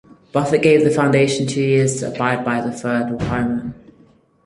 Buffett gave the foundation two years to abide by the third requirement.